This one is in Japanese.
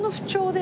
で